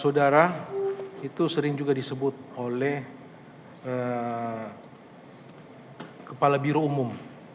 saudara itu sering juga disebut oleh kepala biro umum